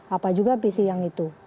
apa juga visi yang itu